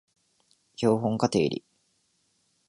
標本化定理